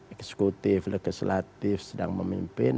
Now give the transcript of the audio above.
eksekutif legislatif sedang memimpin